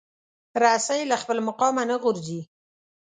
رسۍ له خپل مقامه نه غورځي.